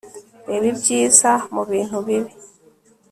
reba ibyiza mu bintu bibi